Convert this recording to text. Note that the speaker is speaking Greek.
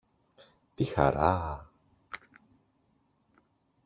Τι χαρά!